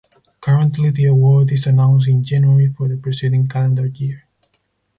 Currently the award is announced in January for the preceding calendar year.